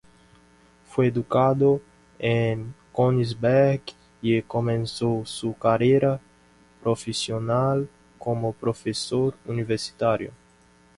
Fue educado en Königsberg y comenzó su carrera profesional como profesor universitario.